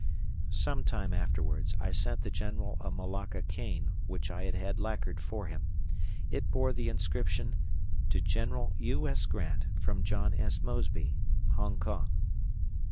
Some time afterwards, I sent the general a Malacca cane which I had had lacquered for him. It bore the inscription, "To General U. S. Grant from John S. Mosby, Hong Kong."